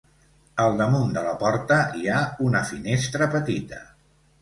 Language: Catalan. Al damunt de la porta hi ha una finestra petita.